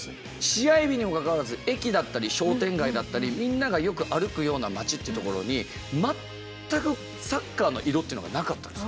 試合日にもかかわらず駅だったり商店街だったりみんながよく歩くような町っていうところに全くサッカーの色っていうのがなかったんです。